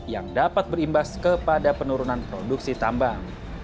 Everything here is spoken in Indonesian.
yang dapat berimbas kepada penurunan produksi tambang